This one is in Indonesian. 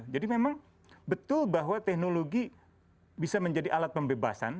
jadi memang betul bahwa teknologi bisa menjadi alat pembebasan